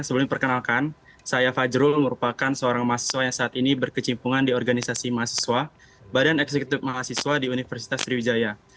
sebelum perkenalkan saya fajrul merupakan seorang mahasiswa yang saat ini berkecimpungan di organisasi mahasiswa badan eksekutif mahasiswa di universitas sriwijaya